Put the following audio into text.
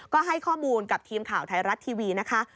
ก็ให้ข้อมูลกับทีมข่าวไทยรัฐทีวีนะคะ